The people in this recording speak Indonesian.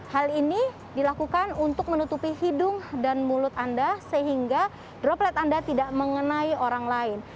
hal ini dilakukan untuk menutupi hidung dan mulut anda sehingga droplet anda tidak mengenai orang lain